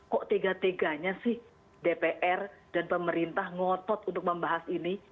kok tega teganya sih dpr dan pemerintah ngotot untuk membahas ini